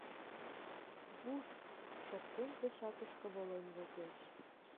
«Вушт!» шоктен, тӧшакышке волен возеш.